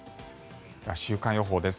では週間予報です。